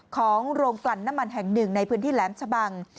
ของโรงกลั่นน้ำมันแห่งหนึ่งในพื้นที่แหลมชะบัง